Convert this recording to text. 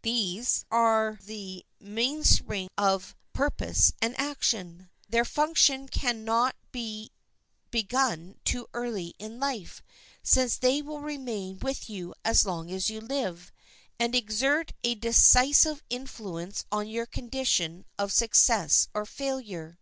These are the mainspring of purpose and action. Their formation can not be begun too early in life, since they will remain with you as long as you live, and exert a decisive influence on your condition of success or failure.